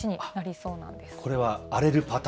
そうなんです。